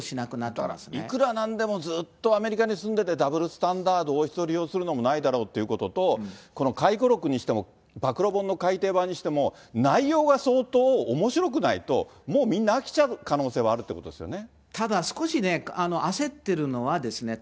だからいくらなんでも、ずっとアメリカに住んでて、ダブルスタンダード、王室を利用することもないだろうということと、この回顧録にしても、暴露本の改訂版にしても、内容が相当おもしろくないと、もうみんな飽きちゃう可能性はあるということですよね。